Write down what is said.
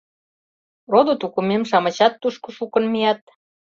Родо-тукымем-шамычат тушко шукын мият...